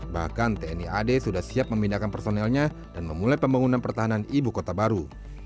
bahkan tni ad sudah siap memindahkan personelnya dan memulai pembangunan pertahanan ibu kota baru